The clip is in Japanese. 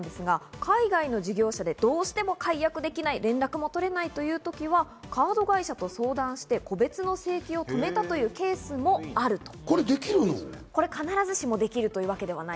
海外の事業者でどうしても解約できない、連絡が取れないというときはカード会社に相談して、個別の請求を止めたというケースもあると。